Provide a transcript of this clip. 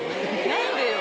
何でよ？